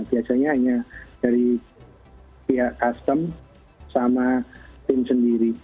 biasanya hanya dari pihak custom sama tim sendiri